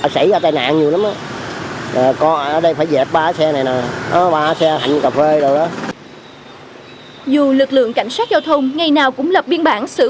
xử phạt cho người đi đường